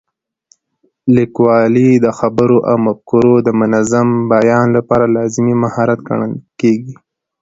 لیکوالی د خبرو او مفکورو د منظم بیان لپاره لازمي مهارت ګڼل کېږي.